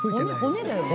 骨だよね。